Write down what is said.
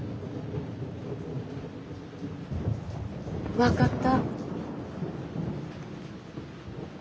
分かった。